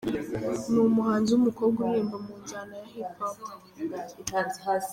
Ni umuhanzi w’umukobwa uririmba mu njyana ya Hip Hop.